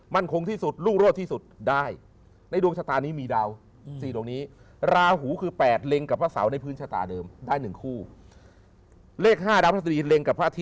มั่งคงที่สุดลูกโรดที่สุดได้ในดวงชะตานี้มีดาวสี่ตรงนี้